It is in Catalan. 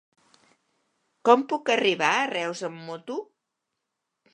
Com puc arribar a Reus amb moto?